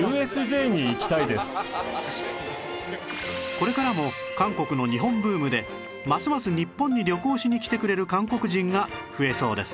これからも韓国の日本ブームでますます日本に旅行しに来てくれる韓国人が増えそうですね